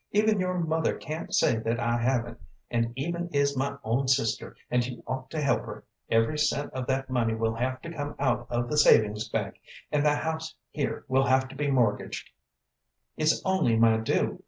"Even your mother can't say that I haven't; and Eva is my own sister, and you ought to help her. Every cent of that money will have to come out of the savings bank, and the house here will have to be mortgaged; it's only my due.